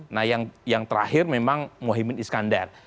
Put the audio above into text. nah yang terakhir memang mohaimin iskandar